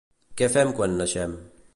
Què fem quan naixem?